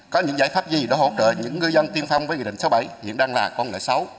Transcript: có những giải pháp gì để hỗ trợ những ngư dân tiên phong với nghị định sáu mươi bảy hiện đang là con nợ sáu